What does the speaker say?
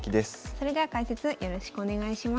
それでは解説よろしくお願いします。